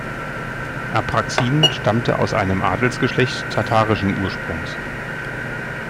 Apraxin stammte aus einem Adelsgeschlecht tatarischen Ursprungs.